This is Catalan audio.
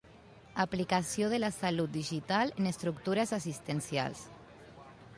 Aplicació de la salut digital en estructures assistencials.